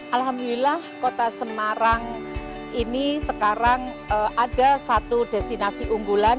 alhamdulillah kota semarang ini sekarang ada satu destinasi unggulan